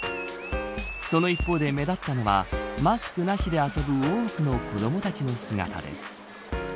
その一方で、目立ったのはマスクなしで遊ぶ多くの子どもたちの姿です。